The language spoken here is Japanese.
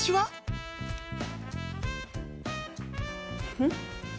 うん！